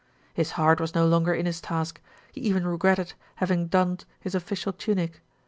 His heart was no longer in his task, he even regretted having donned his official tunic.